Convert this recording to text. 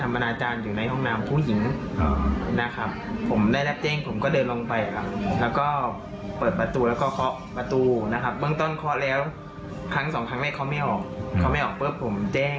ไม่ออกปุ๊บผมแจ้งรับวภอมา